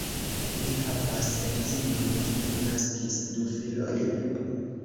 Li havas edzinon, kiu naskis du filojn.